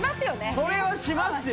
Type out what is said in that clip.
それはしますよ。